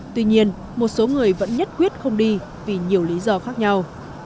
tuy nhiên một số người vẫn nhất quyết không đi vì nhiều lý do khác nhau